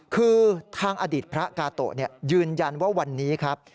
คือทางอดีตพระกาโตะยืนยันว่าวันนี้ครับ